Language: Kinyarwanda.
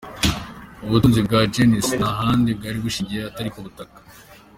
Ubutunzi bwa Genghis nta handi bwari bushingiye atari ku butaka.